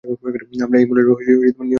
আমরা এই মলের নিয়ন্ত্রণে আছি।